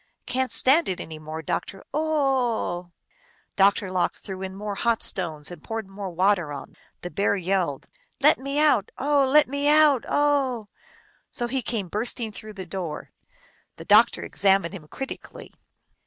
" Can t stand it any more, doctor. O o o oh !" Doctor Lox threw in more hot stones and poured more water on them. The Bear yelled. " Let me out ! O o h ! let me out ! 0 o o oJi !" So he came bursting through the door. The doc tor examined him critically.